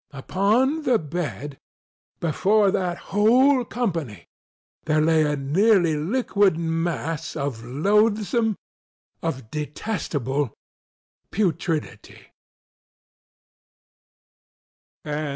Upon the bed, before that whole company, there lay a nearly liquid mass of loathsomeŌĆöof detestable putrescence.